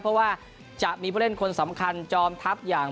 เพราะว่าจะมีผู้เล่นคนสำคัญจอมทัพอย่าง